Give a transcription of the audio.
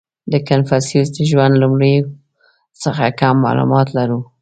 • د کنفوسیوس د ژوند لومړیو څخه کم معلومات لرو.